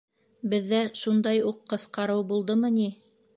Беҙҙә шундай уҡ ҡыҫҡарыу булдымы ни?